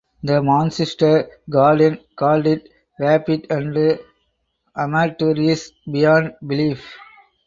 The "Manchester Guardian" called it "vapid and amateurish beyond belief".